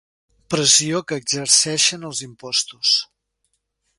Pressió que exerceixen els impostos.